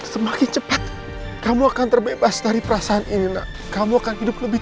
semakin cepat kamu akan terbebas dari perasaan ini nak kamu akan hidup lebih